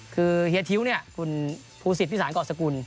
คือเฮียทิ้วคุณผูศิษฐ์ภิษฐานก่อนสกุล